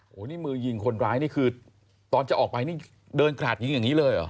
โอ้โฮนี่มือหญิงคนร้ายตอนจะออกไปเดินกระดอย่างนี้เลยเหรอ